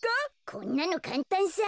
こんなのかんたんさ。